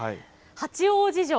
八王子城。